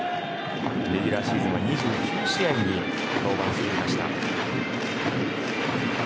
レギュラーシーズンは２９試合に登板していました。